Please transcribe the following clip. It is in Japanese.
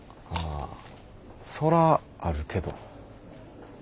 ああそらあるけど。